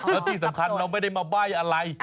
แล้วที่สำคัญเราไม่ได้มาใบ้อะไร